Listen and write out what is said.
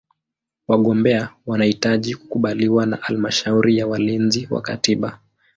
Wagombea wanahitaji kukubaliwa na Halmashauri ya Walinzi wa Katiba.